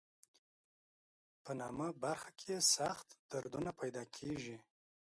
په نامه برخه کې سخت دردونه پیدا کېږي.